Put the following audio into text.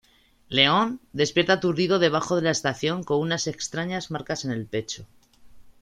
León despierta aturdido debajo de la estación con unas extrañas marcas en el pecho.